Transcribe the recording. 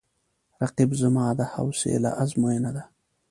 رقیب زما د حوصله آزموینه ده